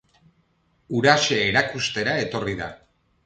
Huraxe erakustera etorri da.